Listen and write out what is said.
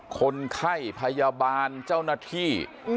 คนไข้พยาบาลเจ้าหน้าที่